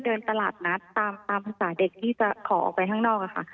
เดินตลาดนัดตามภาษาเด็กที่จะขอออกไปข้างนอกค่ะ